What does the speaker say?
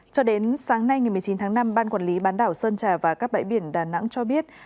cho đến sáng nay ngày một mươi chín tháng năm ban quản lý bán đảo sơn trà và các bãi biển đà nẵng cho biết